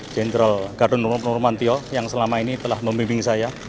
jenderal gatot nurmantio yang selama ini telah membimbing saya